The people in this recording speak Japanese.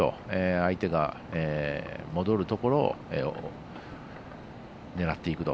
相手が戻るところを狙っていくと。